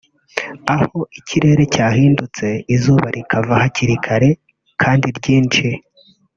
aho ikirere cyahindutse izuba rikava hakiri kare kandi ryinshi